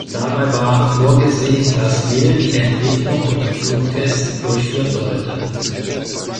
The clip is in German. Dabei war vorgesehen, dass Mil die Entwicklung und die Flugtests durchführen sollte.